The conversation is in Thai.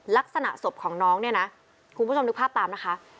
ลักษณะศพของน้องเนี่ยนะคุณผู้ชมนึกภาพตามนะคะ